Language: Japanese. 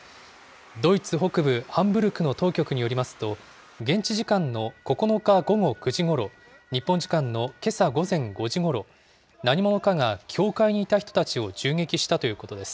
ドイツ北部ハンブルクの当局によりますと、現地時間の９日午後９時ごろ、日本時間のけさ午前５時ごろ、何者かが教会にいた人たちを銃撃したということです。